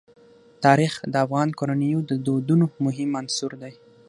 تاریخ د افغان کورنیو د دودونو مهم عنصر دی.